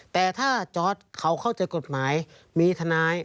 แต่ถ้าจอร์ดเขาเข้าใจกฎหมายมีทนาย